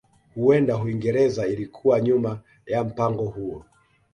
Huenda Uingereza ilikuwa nyuma ya mpango huo